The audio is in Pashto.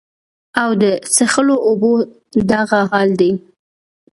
او د څښلو اوبو دغه حال دے